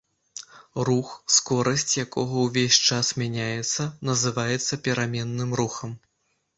Рух, скорасць якога ўвесь час мяняецца, называецца пераменным рухам.